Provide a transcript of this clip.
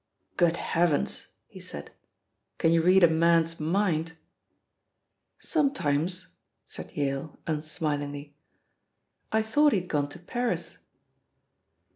"Good heavens!" he said, "can you read a man's mind?" "Sometimes," said Yale, unsmilingly. "I thought he had gone to Paris."